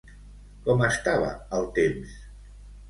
Com estava el temps?